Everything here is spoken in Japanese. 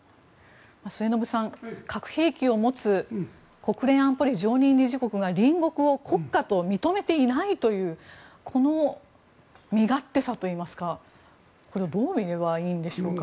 末延さん、核兵器を持つ国連安保理常任理事国が隣国を国家と認めていないというこの身勝手さといいますかこれはどう見ればいいんでしょうか。